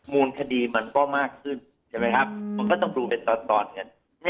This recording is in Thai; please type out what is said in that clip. มูลคดีมันก็มากขึ้นใช่ไหมครับมันก็ต้องดูเป็นตอนกัน